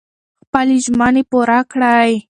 خپلې ژمنې پوره کړئ.